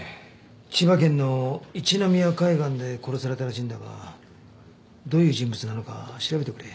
千葉県の一宮海岸で殺されたらしいんだがどういう人物なのか調べてくれ。